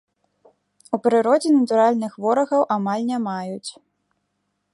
У прыродзе натуральных ворагаў амаль не маюць.